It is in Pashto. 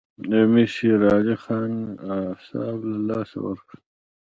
امیر شېر علي خان اعصاب له لاسه ورکړل.